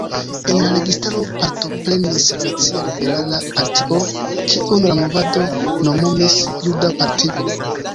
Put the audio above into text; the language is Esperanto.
En la registaro partoprenis la Nacia Liberala Partio, kiun la movado nomumis „Juda partio“.